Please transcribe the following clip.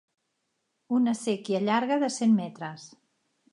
Una séquia llarga de cent metres.